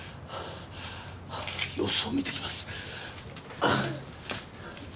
様子を見て来ます。